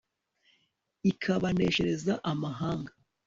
ikabaneshereza amahanga